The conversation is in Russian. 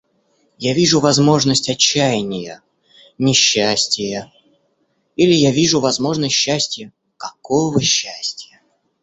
Я вижу возможность отчаяния, несчастия... или я вижу возможность счастья, какого счастья!..